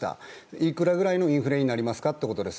いくらぐらいのインフレになりますかということです。